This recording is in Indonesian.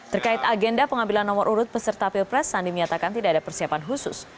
terkait agenda pengambilan nomor urut peserta pilpres sandi menyatakan tidak ada persiapan khusus